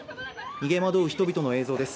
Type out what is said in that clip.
逃げ惑う人々の映像です。